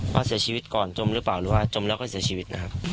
ว่าเสียชีวิตก่อนจมหรือเปล่าหรือว่าจมแล้วก็เสียชีวิตนะครับ